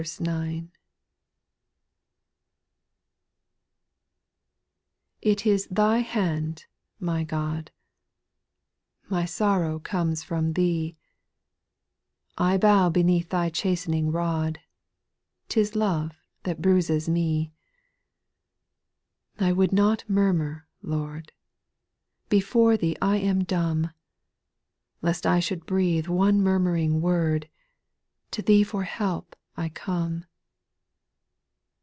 1 TT is Thy hand, my God I X My sorrow comes from Thee ; I bow beneath Thy chastening rod ; 'T is love that bruises me. i 2. ( I would not murmur, Lord, Before Thee I am dumb 1 — Lest I should breathe one murmuring word, To Thee for help I come.